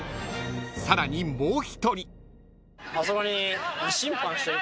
［さらにもう一人］